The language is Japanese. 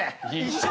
一緒？